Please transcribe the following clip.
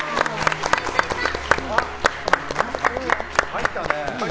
入ったね。